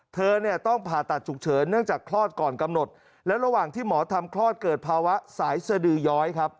เธอเนี่ยต้องผ่าตัดฉุกเฉินเนื่องจากคลอดก่อนกำหนดและระหว่างที่หมอทำคลอดเกิดภาวะสายสดือย้อยครับ